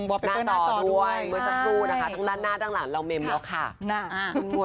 เมื่อสักครู่นะคะทั้งด้านหน้าทั้งหลังเราเมมแล้วค่ะ